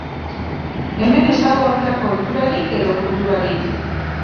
Hemen ez dago horrelako ohiturarik edo kulturarik.